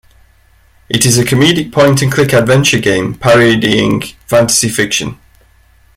It is a comedic point and click adventure game parodying fantasy fiction.